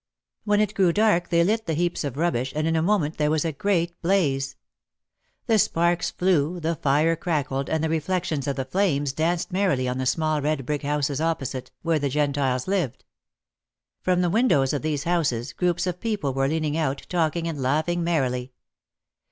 When it grew dark they lit the heaps of rubbish and in a moment there was a great blaze. The sparks flew, the fire crackled and the reflections of the flames danced merrily on the small red brick houses opposite, where the Gentiles lived. From the windows of these houses groups of people were leaning out talking and laughing merrily.